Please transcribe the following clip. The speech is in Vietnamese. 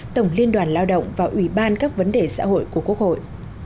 tổng liên đoàn lao động và ủy ban các vấn đề xã hội của quốc hội